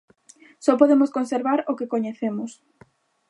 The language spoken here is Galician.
Só podemos conservar o que coñecemos.